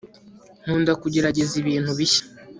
nkunda kugerageza ibintu bishya